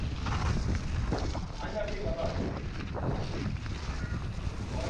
Uharibifu wa mazingira unahatarisha viumbe hai